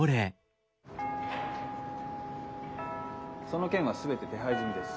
・その件は全て手配済みです。